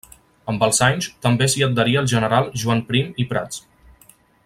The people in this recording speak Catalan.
Amb els anys també s'hi adherí el general Joan Prim i Prats.